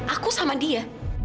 aku sama dia